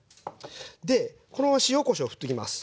でこのまま塩・こしょうふっときます。